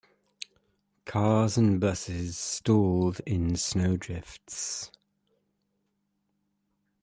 Cars and busses stalled in snow drifts.